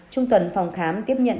trung tuần phòng khám tiếp nhận